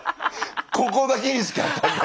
ここだけにしかあたんないからさ。